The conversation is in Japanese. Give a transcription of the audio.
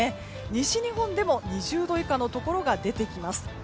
西日本でも２０度以下のところが出てきます。